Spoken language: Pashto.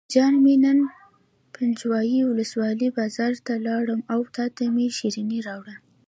جان مې نن پنجوایي ولسوالۍ بازار ته لاړم او تاته مې شیرینۍ راوړې.